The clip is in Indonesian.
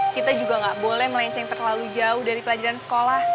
kita juga gak boleh melenceng terlalu jauh dari pelajaran sekolah